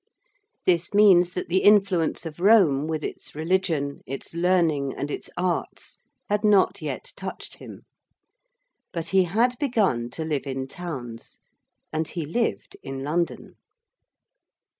This means that the influence of Rome with its religion, its learning and its arts had not yet touched him. But he had begun to live in towns; and he lived in London.